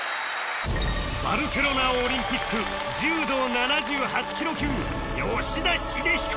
バルセロナオリンピック柔道７８キロ級吉田秀彦